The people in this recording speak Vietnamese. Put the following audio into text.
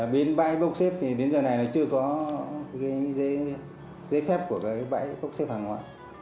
bên bãi bốc xếp thì đến giờ này là chưa có giấy phép của bãi bốc xếp hàng hóa